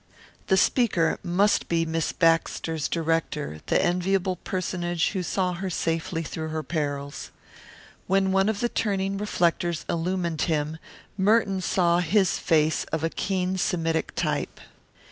The speaker must be Miss Baxter's director, the enviable personage who saw her safely through her perils. When one of the turning reflectors illumined him Merton saw his face of a keen Semitic type.